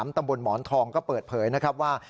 ตำบลหมอนทองก็เปิดเผยนะครับว่า